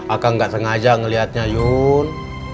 aku gak sengaja ngelihatnya yun